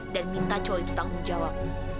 minta cowok itu tanggung jawab